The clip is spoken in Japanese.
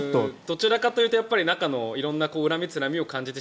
どちらかというと中の恨みつらみを感じる